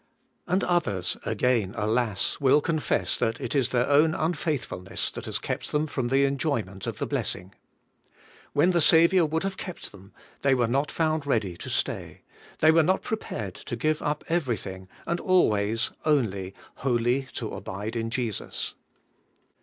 And others, again, alas! will confess that it is their own unfaithfulness that has kept them from the enjoyment of the blessing. When the Saviour would have kept them, they were not found ready to stay ; they were not prepared to give up everything, and always, only, wholly to abide in Jesus.